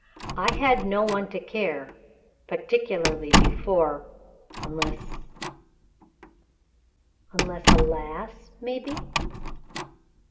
I had no one to care particularly before unless " "Unless a lass, maybe?"